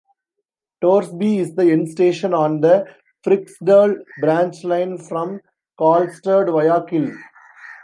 Torsby is the end station on the Fryksdal branchline from Karlstad via Kil.